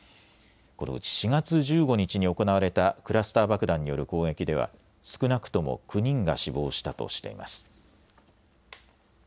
このうち４月１５日に行われたクラスター爆弾による攻撃では少なくとも９人が死亡したとしています。